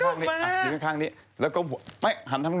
มันจะเห็นเป็นแบบนี้หรือเปล่าใช่มั้ย